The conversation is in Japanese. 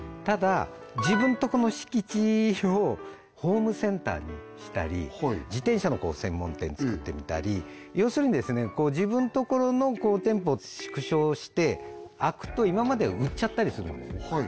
ただ自分とこの敷地をホームセンターにしたり自転車の専門店作ってみたり要するに自分ところの店舗を縮小して空くと今まで売っちゃったりするんですね